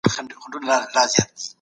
د سلام اچول سنت دي.